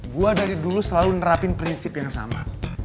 gue dari dulu selalu nerapin prinsip yang sama